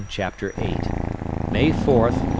CHAPTER VIII. MAY FOURTH.